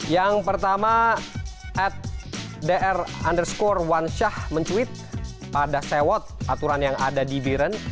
yang pertama at dr underscore wansyah mencuit pada sewot aturan yang ada di biren